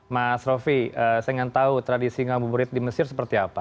mas rofi saya ingin tahu tradisi ngabuburit di mesir seperti apa